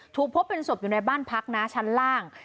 พบเป็นศพอยู่ในบ้านพักนะชั้นล่าง